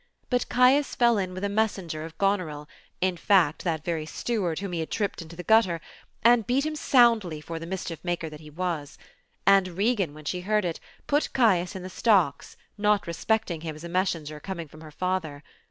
But Caius fell in with a messengerof Goneril — in fact that very steward whom he had tripped into the gutter — ^and beat him soundly for the mis chief maker that he was; and Regan, when she heard it, put Caius in the stocks, not respecting him as a messenger coming from her father.